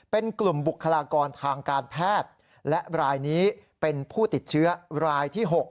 เป็นกลุ่มบุคลากรทางการแพทย์และรายนี้เป็นผู้ติดเชื้อรายที่๖